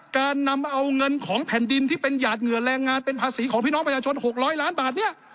การนำเอาเงินของแผ่นดินที่เป็นหยาดเหงื่อแรงงานเป็นภาษีของพี่น้องประชาชน๖๐๐ล้านบาทเนี่ย